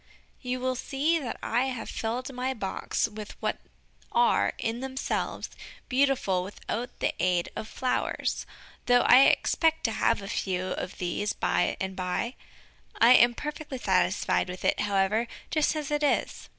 You will see that I have filled my box with what are, in themselves, beautiful without the aid of flowers, though I expect to have a few of these by and by. I am perfectly satisfied with it, however, just as it is.